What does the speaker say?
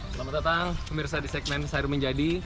selamat datang pemirsa di segmen sayur menjadi